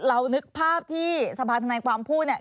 นึกภาพที่สภาธนายความพูดเนี่ย